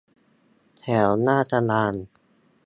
แถวหน้ากระดาน